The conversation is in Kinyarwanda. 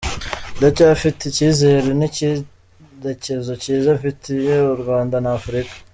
Ndacyafitiye icyizere n’icyerekezo cyiza mfitiye u Rwanda na Afurika.